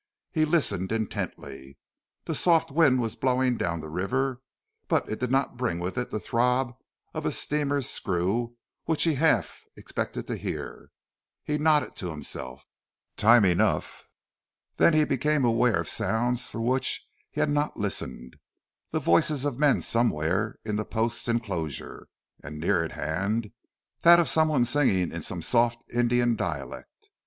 He listened intently. The soft wind was blowing down river, but it did not bring with it the throb of a steamer's screw which he half expected to hear. He nodded to himself. "Time enough!" Then he became aware of sounds for which he had not listened the voices of men somewhere in the post's enclosure, and, nearer at hand, that of some one singing in some soft Indian dialect.